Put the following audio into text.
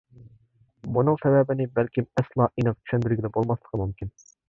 بۇنىڭ سەۋەبىنى بەلكىم ئەسلا ئېنىق چۈشەندۈرگىلى بولماسلىقى مۇمكىن.